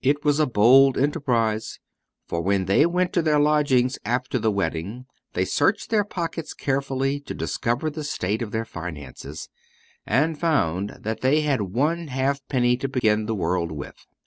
It was a bold enterprise, for when they went to their lodgings after the wedding they searched their pockets carefully to discover the state of their finances, and found that they had one halfpenny to begin the world with.